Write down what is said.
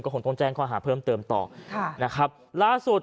คงต้องแจ้งข้อหาเพิ่มเติมต่อค่ะนะครับล่าสุด